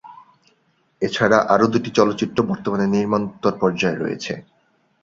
এছাড়া আরও দুটি চলচ্চিত্র বর্তমানে নির্মাণ-উত্তর পর্যায়ে রয়েছে।